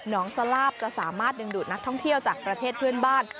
น้องสลาบจะสามารถดึงดูดนักท่องเที่ยวจากประเทศเพื่อนบ้าน